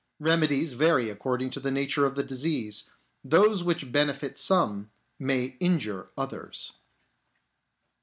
Remedies vary according to the nature of the disease ; those which benefit some may injure others.